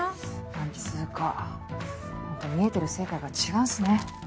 何つうかホント見えてる世界が違うんすね。